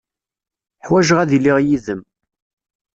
Ḥwajeɣ ad iliɣ yid-m.